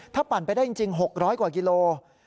ถ้าปั่นไปได้จริง๖๐๐กว่ากิโล